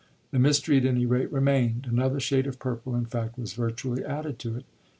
The mystery at any rate remained; another shade of purple in fact was virtually added to it.